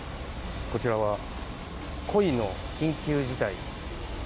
こちらは恋の緊急事態。